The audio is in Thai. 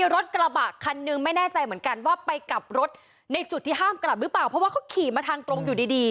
รถกระบะคันนึงไม่แน่ใจเหมือนกันว่าไปกลับรถในจุดที่ห้ามกลับหรือเปล่าเพราะว่าเขาขี่มาทางตรงอยู่ดีดี